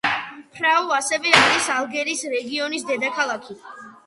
ფარუ ასევე არის ალგარვის რეგიონის დედაქალაქი.